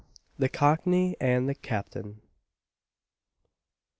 THE COCKNEY AND THE CAPTAIN.